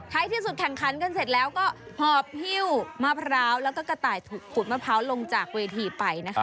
ที่สุดแข่งขันกันเสร็จแล้วก็หอบหิ้วมะพร้าวแล้วก็กระต่ายขุดมะพร้าวลงจากเวทีไปนะคะ